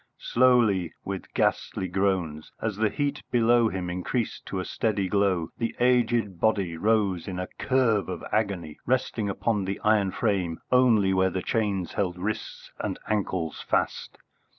Slowly, with ghastly groans; as the heat below him increased into a steady glow, the aged body rose in a curve of agony, resting on the iron frame only where the chains held wrists and ankles fast.